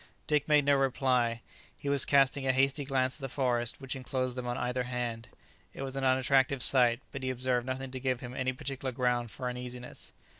Dick made no reply; he was casting a hasty glance at the forest which enclosed them on either hand; it was an unattractive sight, but he observed nothing to give him any particular ground for uneasiness.